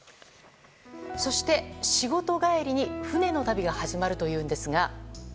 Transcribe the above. そして仕事帰りに船の旅が始まるというんですが。